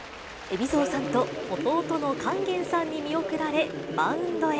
海老蔵さんと弟の勸玄さんに見送られ、マウンドへ。